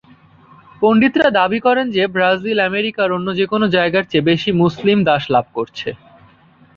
পণ্ডিতরা দাবি করেন যে ব্রাজিল আমেরিকার অন্য যে কোন জায়গার চেয়ে বেশি মুসলিম দাস লাভ করেছে।